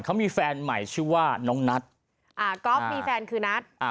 เขามีแฟนใหม่ชื่อว่าน้องนัทอ่าก๊อฟมีแฟนคือนัทอ่า